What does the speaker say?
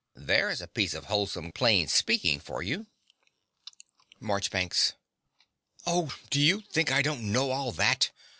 There's a piece of wholesome plain speaking for you. MARCHBANKS. Oh, do you think I don't know all that?